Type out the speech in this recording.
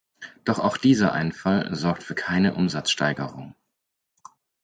Doch auch dieser Einfall sorgt für keine Umsatzsteigerung.